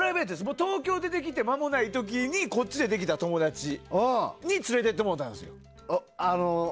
東京出てきて、まもない時にこっちでできた友達に連れて行ってもらったんです。